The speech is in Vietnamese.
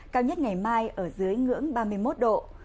cao nhất ngày mai ở dưới ngưỡng ba mươi một độ